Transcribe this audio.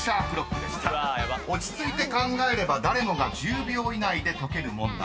［落ち着いて考えれば誰もが１０秒以内で解ける問題］